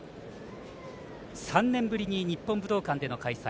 ３年ぶりに日本武道館での開催。